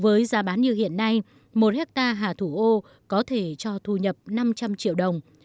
với giá bán như hiện nay một hectare hà thủ ô có thể cho thu nhập năm trăm linh triệu đồng